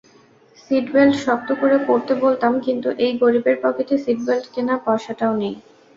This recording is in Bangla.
সিটব্যাল্ট শক্ত করে পড়তে বলতাম কিন্তু এই গরীবের পকেটে সিটব্যাল্ট কেনার পয়সাটাও নেই!